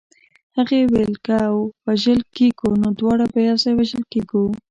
هغې ویل که وژل کېږو نو دواړه به یو ځای وژل کېږو